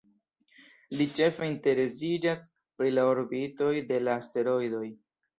Li ĉefe interesiĝas pri la orbitoj de la asteroidoj.